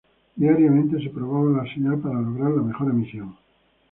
Diariamente se probaba la señal para lograr la mejor emisión.